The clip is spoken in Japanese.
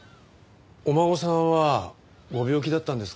お孫さんはご病気だったんですか？